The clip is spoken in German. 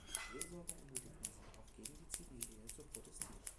Seelsorger ermutigten sie auch gegen die Zivilehe zu protestieren.